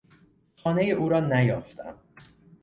خانهی او رانیافتم.